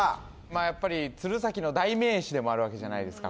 やっぱり鶴崎の代名詞でもあるわけじゃないですか